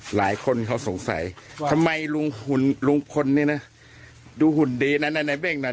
หลายคนเขาสงสัยทำไมลุงหุ่นลุงพลนี่นะดูหุ่นดีนั้นในเบ้งนั้น